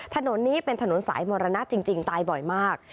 ถนนนี้เป็นถนนสายมรณะจริงตายบ่อยมาก